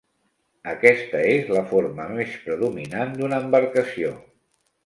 Aquesta és la forma més predominant d'una embarcació.